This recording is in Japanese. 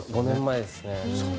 ５年前ですね。